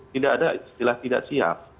tidak ada istilah tidak siap